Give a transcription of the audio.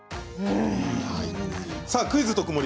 「クイズとくもり」